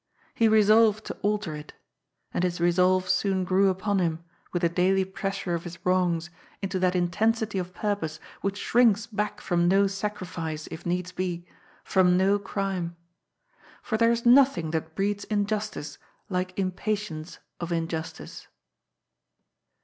He resolved to alter it. And his resolve soon grew upon him, with the daily pressure of his wrongs, into that intensity of purpose which shrinks back from no sacrifice, if needs be, from no crime. For there is nothing that breeds injustice like impatience of injustice.